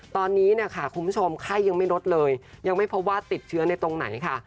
ตอนนี้เนี่ยค่ะคุณผู้ชมไข้ยังไม่ลดเลยยังไม่พบว่าติดเชื้อในตรงไหนค่ะ